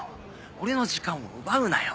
俺の時間を奪うなよ